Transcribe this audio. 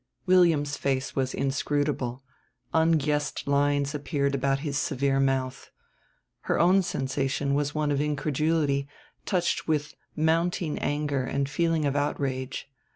William's face was inscrutable, unguessed lines appeared about his severe mouth. Her own sensation was one of incredulity touched with mounting anger and feeling of outrage.